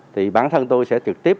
thì bản thân tôi sẽ trực tiếp